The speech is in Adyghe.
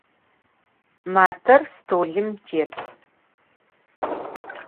Mater stolım têt.